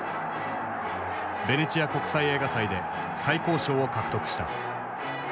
ベネチア国際映画祭で最高賞を獲得した。